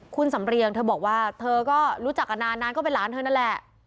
คุณสำเรียงเธอบอกว่าเธอก็รู้จักกันนานนานก็เป็นหลานเธอนั่นแหละ